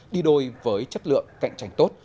đi đôi với chất lượng cạnh tranh tốt